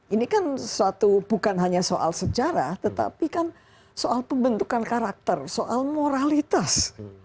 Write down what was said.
ini kan suatu bukan hanya soal sejarah tetapi kan soal pembentukan karakter soal moralitas